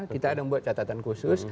kita ada yang buat catatan khusus